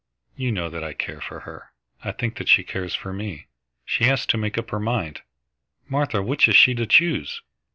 You know that I care for her. I think that she cares for me. She has to make up her mind. Martha, which is she to choose?"